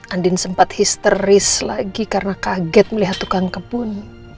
andin sempat histeris lagi karena kaget melihat tukang kebun